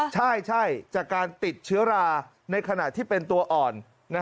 ใช่จากการติดเชื้อราในขณะที่เป็นตัวอ่อน